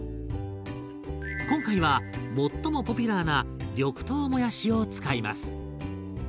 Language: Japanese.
今回は最もポピュラーな緑豆もやしを使います。